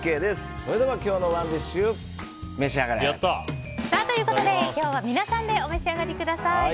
それでは今日のＯｎｅＤｉｓｈ今日は皆さんでお召し上がりください。